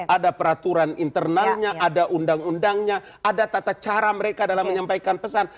ada peraturan internalnya ada undang undangnya ada tata cara mereka dalam menyampaikan pesan